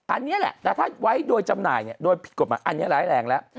อันนี้แหละแต่ถ้าไว้โดยจำหน่ายโดยผิดกฎหมายอันนี้ร้ายแรงแล้ว